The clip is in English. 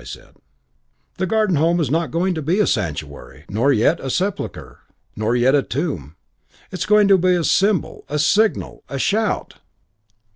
I said, 'The Garden Home is not going to be a sanctuary, nor yet a sepulchre, nor yet a tomb. It is going to be a symbol, a signal, a shout.'